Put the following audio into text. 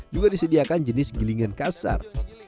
juga disediakan jenis gilingan kasar